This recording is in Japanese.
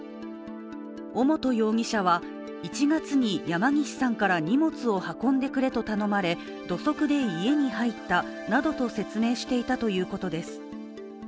尾本容疑者は、１月に山岸さんから荷物を運んでくれと頼まれ土足で家に入ったなどと説明していたということです。